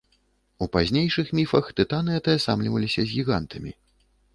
У пазнейшых міфах тытаны атаясамліваліся з гігантамі.